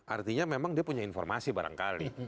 artinya memang dia punya informasi barangkali